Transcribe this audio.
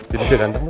daddy udah ganteng